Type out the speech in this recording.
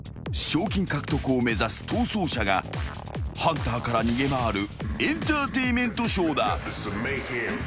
［賞金獲得を目指す逃走者がハンターから逃げ回るエンターテインメントショーだ］